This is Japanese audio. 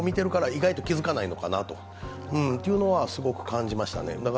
意外と気付かないのかなというのはすごく感じましたね。